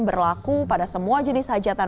berlaku pada semua jenis hajatan